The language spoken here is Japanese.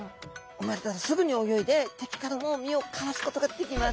産まれたらすぐに泳いで敵からも身をかわすことができます。